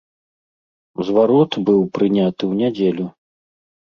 Зварот быў прыняты ў нядзелю.